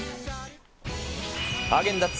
ハーゲンダッツ